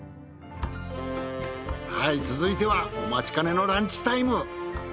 はい続いてはお待ちかねのランチタイム。